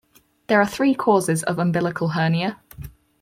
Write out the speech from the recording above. There are three causes of umbilical hernia.